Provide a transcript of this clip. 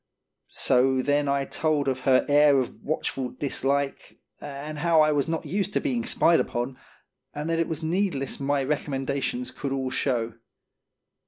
So then I told of her air of watchful dislike, and how I was not used to being spied upon, and that it was needless my recommendations could all show.